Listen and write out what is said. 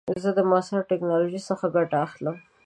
زه د معاصر ټکنالوژۍ څخه ګټه اخلم.